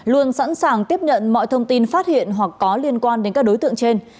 luôn sẵn sàng tiếp nhận mọi thông tin phát hiện hoặc có liên quan đến các đối tượng trên